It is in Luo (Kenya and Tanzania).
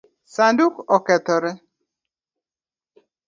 Sanduk okethore?